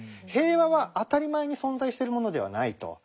平和は当たり前に存在してるものではないと。